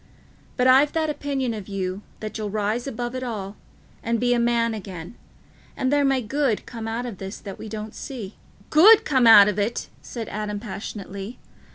But I've that opinion of you, that you'll rise above it all and be a man again, and there may good come out of this that we don't see." "Good come out of it!" said Adam passionately.